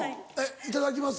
「いただきます」